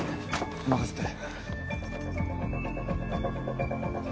任せて。